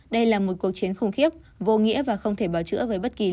đây là một cuộc chiến khủng khiếp vô nghĩa và không thể bảo chữa với bất kỳ lý do nào